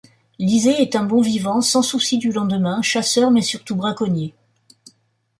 Lisée est un bon vivant, sans souci du lendemain, chasseur mais surtout braconnier.